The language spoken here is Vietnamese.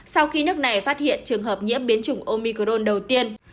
sau khi nước này phát hiện trường hợp nhiễm biến chủng omicron đầu tiên